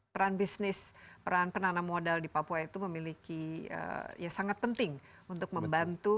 peran bisnis peran penanam modal di papua itu memiliki ya sangat penting untuk membantu